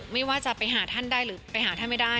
ไม่ว่าจะไปหาท่านได้หรือไปหาท่านไม่ได้